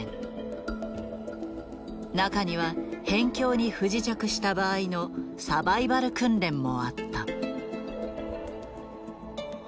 中には辺境に不時着した場合のサバイバル訓練もあった。